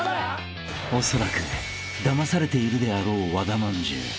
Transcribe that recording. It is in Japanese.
［おそらくだまされているであろう和田まんじゅう］